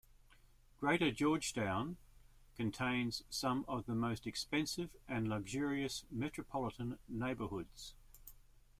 Greater Georgetown - contains some of the most expensive and luxurious metropolitan neighbourhoods.